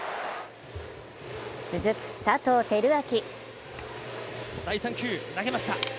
続く佐藤輝明。